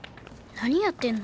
なにやってんの？